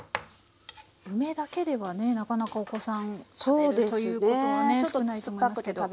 梅だけではねなかなかお子さん食べるということはね少ないと思いますけど。